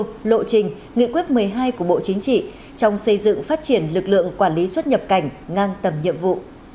lộ trình nghị quyết một mươi hai của bộ chính trị trong xây dựng phát triển lực lượng quản lý xuất nhập cảnh ngang tầm nhiệm vụ